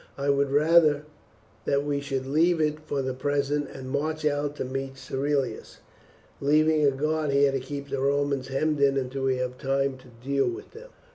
I would rather that we should leave it for the present and march out to meet Cerealis, leaving a guard here to keep the Romans hemmed in until we have time to deal with them."